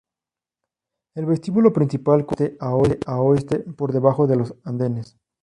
El vestíbulo principal corre de este a oeste, por debajo de los andenes.